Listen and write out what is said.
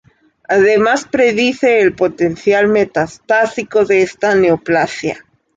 Además, predice el potencial metastásico de esta neoplasia.